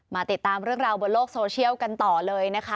ติดตามเรื่องราวบนโลกโซเชียลกันต่อเลยนะคะ